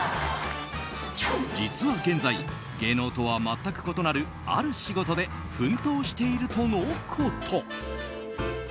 実は現在、芸能とは全く異なるある仕事で奮闘しているとのこと。